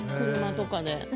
車とかで？